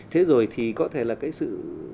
thế rồi thì có thể là cái sự